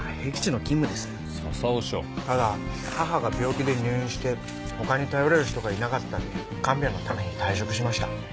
ただ母が病気で入院して他に頼れる人がいなかったので看病のために退職しました。